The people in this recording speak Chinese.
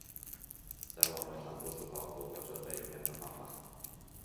在网络上部署包捕获设备有两个方法。